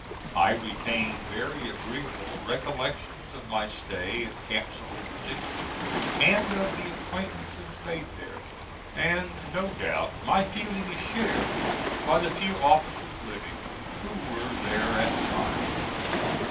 I retain very agreeable recollections of my stay at Camp Salubrity, and of the acquaintances made there, and no doubt my feeling is shared by the few officers living who were there at the time.